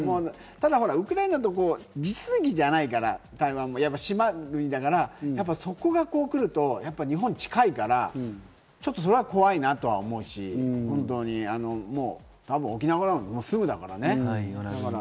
ただ、ウクライナと地続きじゃないから、台湾も島国だから、そこが来ると日本近いからちょっと怖いなとは思うし、沖縄なんか、すぐだからね。